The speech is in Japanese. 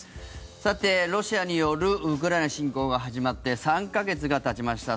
さて、ロシアによるウクライナ侵攻が始まって３か月がたちました。